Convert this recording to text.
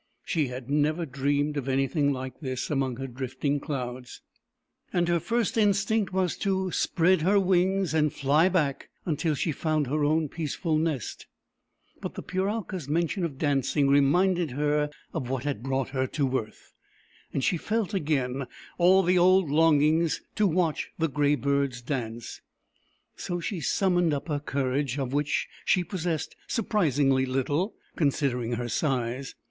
She had never dreamed of anything like this, among her drifting clouds, and her first in stinct was to spread her wings and fly back until she found her own peaceful nest. But the Pural ka's mention of dancing reminded her of what had brought her to earth, and she felt again all the old longing to watch the grey birds dance. So she summoned up her courage, of which she pos sessed surprisingly little, considering her size.